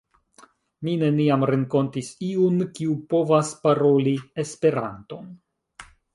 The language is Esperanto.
Mi neniam renkontis iun kiu povas paroli Esperanton.